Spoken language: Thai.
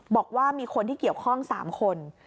บอกว่ามีคนที่เกี่ยวข้อง๓คน